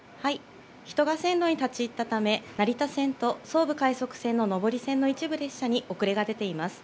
人が線路に立ち入ったため、成田線と総武快速線の上り線の一部列車に遅れが出ています。